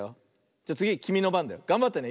じゃつぎきみのばんだよ。がんばってね。